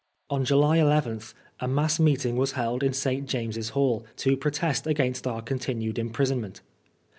On July 11 a mass meeting was held in St. James's Hall to protest against our continued imprisonment.